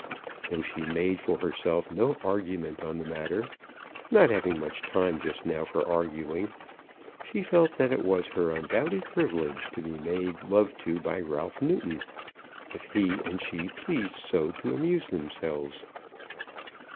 Though she made for herself no argument on the matter, not having much time just now for arguing, she felt that it was her undoubted privilege to be made love to by Ralph Newton, if he and she pleased so to amuse themselves.